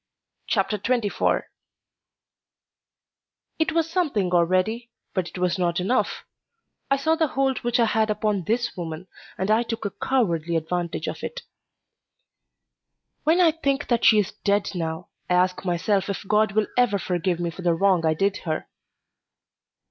Chapter XXIV It was something already, but it was not enough. I saw the hold which I had upon this woman, and I took a cowardly advantage of it. When I think that she is dead now, I ask myself if God will ever forgive me for the wrong I did her.